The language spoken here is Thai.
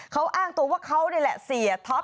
เขาอ้างตัวว่าเขานี่แหละเสียท็อป